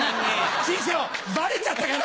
師匠バレちゃったかな？